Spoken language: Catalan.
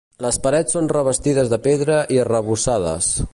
Les parets són revestides de pedra i arrebossades.